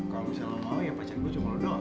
kalau misalnya mau mau ya pacar gue jempol doang